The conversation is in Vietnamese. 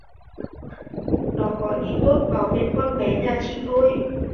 nó có ý tốt bảo vệ con bé nhà chị thôi